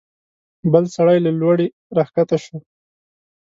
بل سړی له لوړې راکښته شو.